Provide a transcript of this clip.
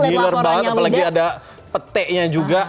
ngiler banget apalagi ada peteknya juga